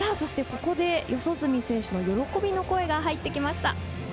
ここで四十住選手の喜びの声が入ってきました。